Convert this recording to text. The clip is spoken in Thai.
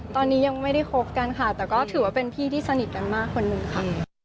ตอนนี้ยังไม่ได้คบกันค่ะแต่ก็ถือว่าเป็นพี่ที่สนิทกันมากคนหนึ่งค่ะ